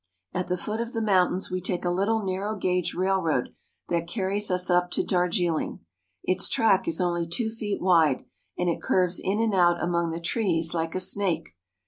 At the foot of the mountains we take a little narrow gauge railroad that car ries us up to Darjiling. Its track is only two feet wide, and it curves in and out among the trees like a snake.